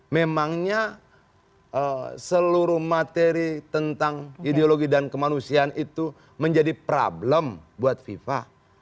memangnya seluruh materi tentang ideologi dan kemanusiaan itu menjadi problem buat viva